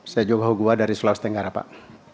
saya juga bahwa gue dari sulawesi tenggara pak